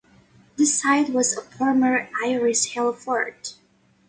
The site was a former Irish hill fort.